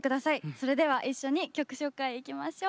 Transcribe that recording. それでは一緒に曲紹介いきましょう。